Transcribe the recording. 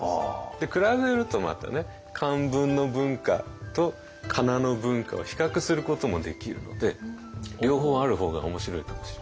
比べるとまたね漢文の文化とかなの文化を比較することもできるので両方ある方が面白いかもしれないですね。